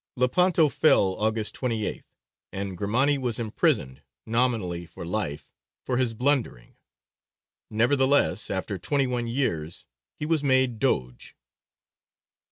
Lepanto fell, August 28th; and Grimani was imprisoned, nominally for life, for his blundering: nevertheless, after twenty one years he was made Doge.